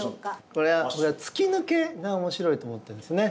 これ「つきぬけ」が面白いと思ってるんですね。